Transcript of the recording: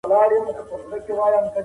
دا اوس د دعــا پـر پـاڼـه